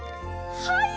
はい！